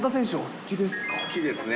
好きですか。